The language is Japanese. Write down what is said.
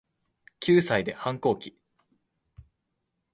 九歳で反抗期